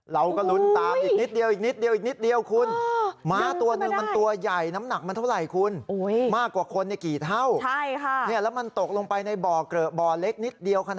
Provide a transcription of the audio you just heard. เราก็ลุ้นตามอีกนิดเดียว